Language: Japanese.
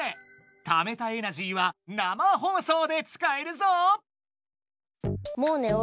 ためたエナジーは生放送でつかえるぞ！